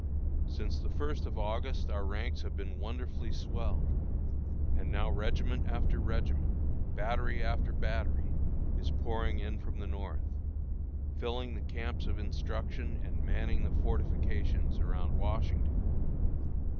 Since the first of August our ranks have been wonderfully swelled; and now regiment after regiment, battery after battery, is pouring in from the North, filling the camps of instruction, and manning the fortifications around Washington.